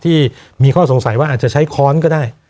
ที่มีข้อสงสัยว่าอาจจะใช้ค้อนก็ได้